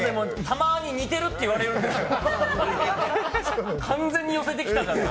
たまに似てるといわれてるんですよ。